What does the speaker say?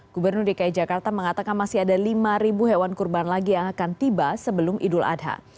gubernur dki jakarta mengatakan masih ada lima hewan kurban lagi yang akan tiba sebelum idul adha